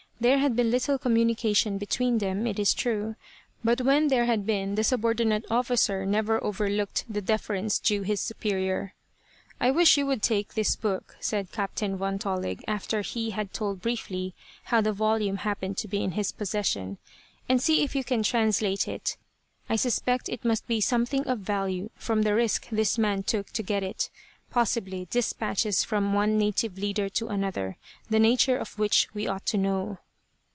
There had been little communication between them, it is true, but when there had been the subordinate officer never overlooked the deference due his superior. "I wish you would take this book," said Captain Von Tollig, after he had told briefly how the volume happened to be in his possession, "and see if you can translate it. I suspect it must be something of value, from the risk this man took to get it; possibly dispatches from one native leader to another, the nature of which we ought to know."